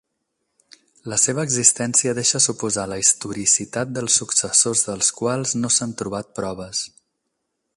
La seva existència deixa suposar la historicitat dels successors dels quals no s'han trobat proves.